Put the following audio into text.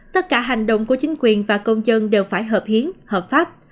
tất cả hành động của chính quyền và công dân đều phải hợp hiến hợp pháp